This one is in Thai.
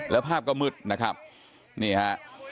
แล้วภาพก็มืดนะครับนี่ฮะ